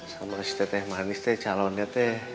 sama si teh manis tuh calonnya tuh